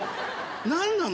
何なの？